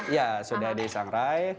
iya sudah di sangrai